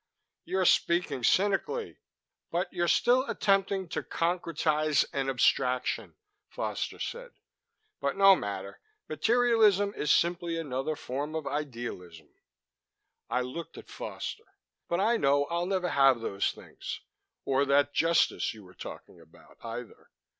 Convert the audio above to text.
"You're speaking cynically but you're still attempting to concretize an abstraction," Foster said. "But no matter materialism is simply another form of idealism." I looked at Foster. "But I know I'll never have those things or that Justice you were talking about, either.